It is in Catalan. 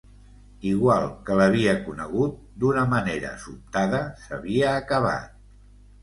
Igual que l’havia conegut, d’una manera sobtada, s’havia acabat.